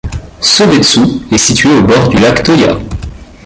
Sōbetsu est situé au bord du lac Tōya.